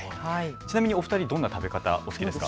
ちなみにお二人どんな食べ方がお好きですか。